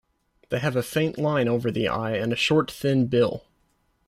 They have a faint line over the eye and a short thin bill.